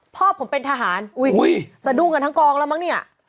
พ่อผมเป็นทหารสะดุ้งกันทั้งกองแล้วมั้งเนี่ย